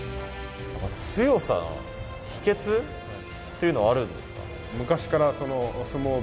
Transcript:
強さの秘けつというのはあるんですか？